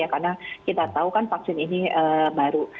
karena kita tahu kan vaksin ini baru